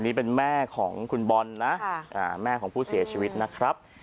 นี่เป็นแม่ของคุณบอลนะแม่ของผู้เสียชีวิตนะครับ